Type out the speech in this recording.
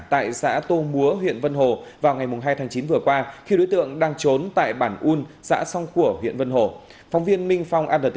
tại xã tô múa huyện vân hồ vào ngày hai tháng chín vừa qua khi đối tượng đang trốn tại bản un xã song của huyện vân hồ